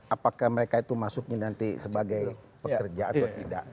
apakah mereka itu masuknya nanti sebagai pekerja atau tidak